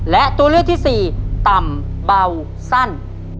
และตัวเลือกที่สี่ต่ำเบาสั้น